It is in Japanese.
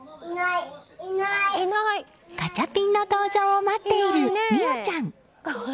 ガチャピンの登場を待っている澪ちゃん。